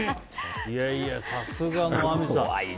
さすがのぁみさん。